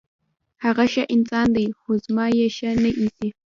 هغه ښه انسان دی، خو زما یې ښه نه ایسي.